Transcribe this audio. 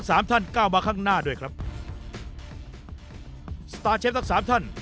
สตาร์ทเชฟทั้ง๓ท่าน